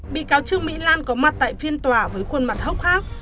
bị cáo trương mỹ lan có mặt tại phiên tòa với khuôn mặt hốc ác